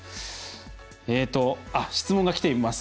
質問がきています。